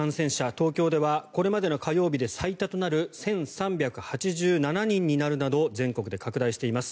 東京ではこれまでの火曜日で最多となる１３８７人になるなど全国で拡大しています。